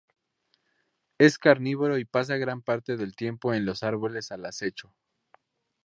Es carnívoro y pasa gran parte del tiempo en los árboles al acecho.